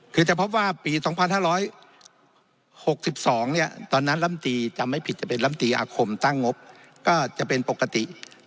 คือจะพบว่าปี๒๕๖๒ตอนนั้นลำตีจำไม่ผิดจะเป็นลำตีอาคมตั้งงบก็จะเป็นปกติ